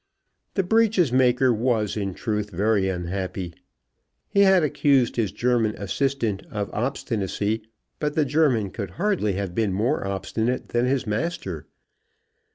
The breeches maker was in truth very unhappy. He had accused his German assistant of obstinacy, but the German could hardly have been more obstinate than his master.